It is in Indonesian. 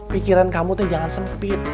pikiran kamu tuh jangan sempit